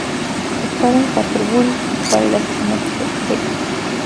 Estaba en Canterbury para el asesinato de Becket.